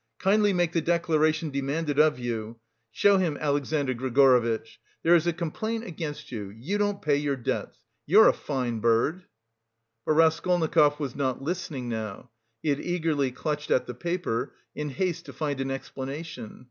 "Kindly make the declaration demanded of you. Show him. Alexandr Grigorievitch. There is a complaint against you! You don't pay your debts! You're a fine bird!" But Raskolnikov was not listening now; he had eagerly clutched at the paper, in haste to find an explanation.